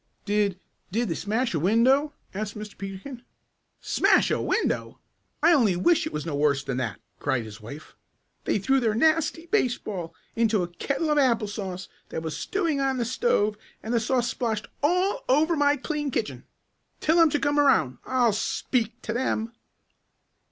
"Did did they smash a window?" asked Mr. Peterkin. "Smash a window? I only wish it was no worse than that!" cried his wife. "They threw their nasty baseball into a kettle of apple sauce that was stewing on the stove, and the sauce splashed all over my clean kitchen. Tell them to come around. I'll speak to them!"